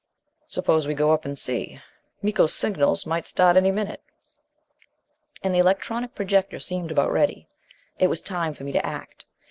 "Suppose we go up and see? Miko's signals might start any minute." And the electronic projector seemed about ready. It was time for me to act.